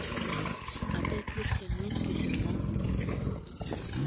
— А тый кӱшкӧ ынет кӱзӧ мо?